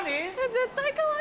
絶対かわいい。